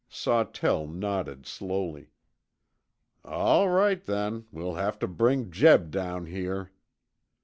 Sawtell nodded slowly. "All right then, we'll have to bring Jeb down here."